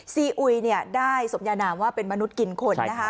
ซีอุยได้สมณาหนาว่าเป็นมนุษย์กินคน